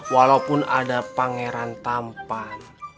walaupun ada pangeran tampan